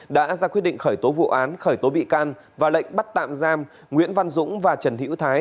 đã ra quyết định khởi tố vụ án khởi tố bị can và lệnh bắt tạm giam nguyễn văn dũng và trần hữu thái